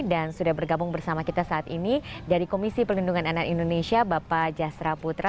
dan sudah bergabung bersama saya saat ini dari komisi perlindungan anak indonesia bapak jasra putra